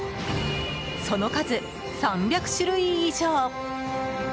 その数３００種類以上。